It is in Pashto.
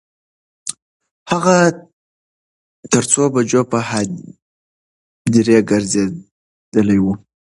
هغه تر څو بجو په هدیرې ګرځیدلی و.